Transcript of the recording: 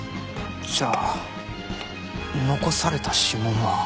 じゃあ残された指紋は。